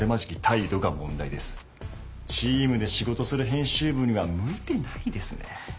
チームで仕事する編集部には向いてないですね。